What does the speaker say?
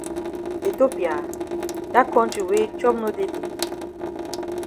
Ethiopia! Dat kontri wey chop no dey dey?